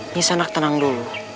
nyi sanak tenang dulu